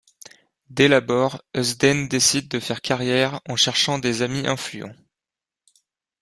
Dès l'abord, Eusden décide de faire carrière en cherchant des amis influents.